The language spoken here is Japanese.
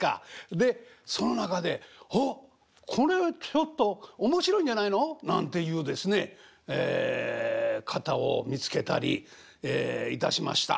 でその中で「あっこれちょっと面白いんじゃないの」なんていう方を見つけたりいたしました。